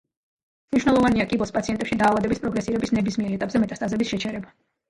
მნიშვნელოვანია, კიბოს პაციენტებში დაავადების პროგრესირების ნებისმიერ ეტაპზე მეტასტაზების შეჩერება.